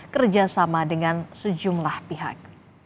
kerjasama dengan sejumlah pihak